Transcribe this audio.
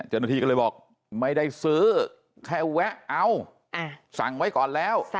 เจ้าหน้าที่ก็เลยบอกไม่ได้ซื้อแค่แวะเอาสั่งไว้ก่อนแล้ว